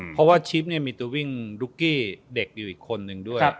เพราะว่าชิปมีตัววิ่งดุ๊กกี้เด็กอยู่อีกคนนึงด้วย